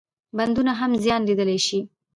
بندونه هم زیان لیدلای شي.